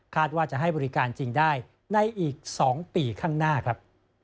ว่าจะให้บริการจริงได้ในอีก๒ปีข้างหน้าครับ